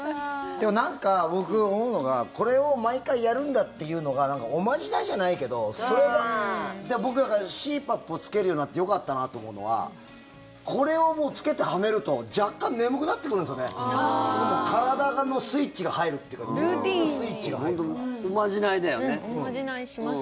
でもなんか僕、思うのがこれを毎回やるんだというのがおまじないじゃないけど僕、ＣＰＡＰをつけるようになってよかったなと思うのはこれをつけて、はめると若干眠くなってくるんですよね。ルーチンに。おまじないしますよね。